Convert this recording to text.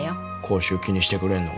口臭気にしてくれんのが？